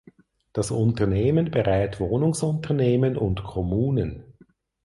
Das Unternehmen berät Wohnungsunternehmen und Kommunen.